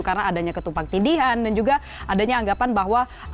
karena adanya ketumpang tidihan dan juga adanya anggapan bahwa